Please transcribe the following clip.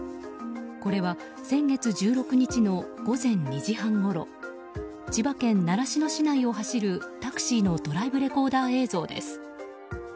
これは先月１６日の午前２時半ごろ千葉県習志野市内を走るタクシーのドライブレコーダー映像です。